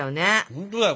本当だよ。